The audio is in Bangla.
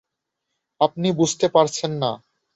আপনি বুঝতে পারছেন না।